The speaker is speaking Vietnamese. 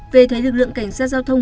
về thấy lực lượng cảnh sát giao thông